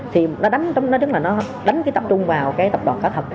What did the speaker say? thì nó đánh cái tập trung vào cái tập đoàn có thật